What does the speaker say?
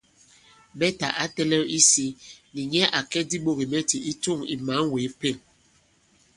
Bɛtà ǎ tɛ̄lɛ̄w isī nì nyɛ à kɛ diɓogìmɛtì i tûŋ ì mǎn wě Pên.